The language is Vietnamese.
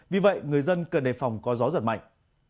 vì vậy người dân cần đề phòng có gió giật mạnh